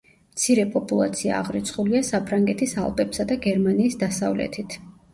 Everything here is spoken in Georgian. მცირე პოპულაცია აღრიცხულია საფრანგეთის ალპებსა და გერმანიის დასავლეთით.